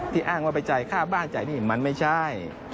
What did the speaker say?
อ้างว่าไปจ่ายค่าบ้านจ่ายหนี้มันไม่ใช่